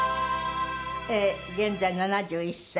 現在７１歳。